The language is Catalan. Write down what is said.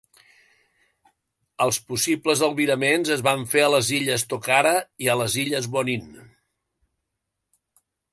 Els possibles albiraments es van fer a les illes Tokara i a les illes Bonin.